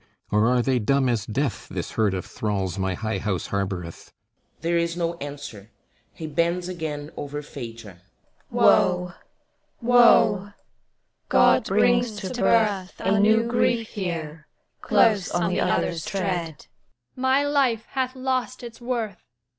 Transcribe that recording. Or are they dumb as death, This herd of thralls, my high house harboureth? [There is no answer. He bends again over PHAEDRA.] SOME WOMEN Woe, woe! God brings to birth A new grief here, close on the other's tread! My life hath lost its worth.